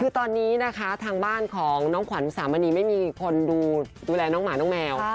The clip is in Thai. คือตอนนี้นะคะทางบ้านของน้องขวัญอุสามณีไม่มีคนดูแลน้องหมาน้องแมว